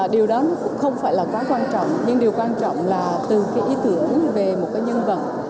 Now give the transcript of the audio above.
điều đó cũng không phải là quá quan trọng nhưng điều quan trọng là từ cái ý tưởng về một cái nhân vật